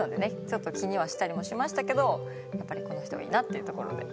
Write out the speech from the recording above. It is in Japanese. ちょっと気にはしたりもしましたけどやっぱりこの人がいいなっていうところで。